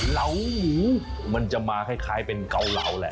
เหล้าหมูมันจะมาคล้ายเป็นเกาเหลาแหละ